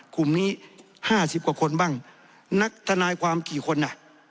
กลุ่มนี้ห้าสิบกว่าคนบ้างนักทนายความกี่คนอ่ะ